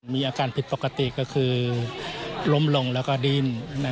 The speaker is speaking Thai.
มีอาการผิดปกติก็คือล้มลงแล้วก็ดิ้น